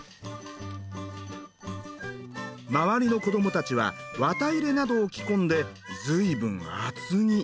周りの子どもたちは綿入れなどを着込んでずいぶん厚着。